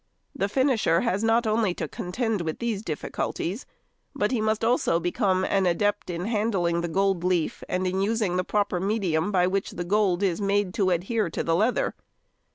The finisher has not only to contend with these difficulties, but he must also become an adept in handling the gold leaf and in using the proper medium by which the gold is made to adhere to the leather.